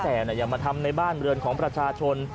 แต่อย่ามาทำในบ้านเรือนของประชาชน